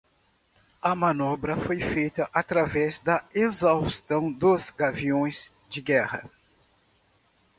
A manobra foi feita através da exaustão dos gaviões de guerra